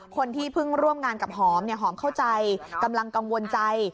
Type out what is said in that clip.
คนที่เพิ่งร่วมงานกับหอมหอมเข้าใจกำลังกังวลใจ